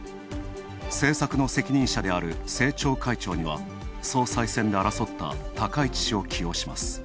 政策の責任者である政調会長には総裁選で争った高市氏を起用します。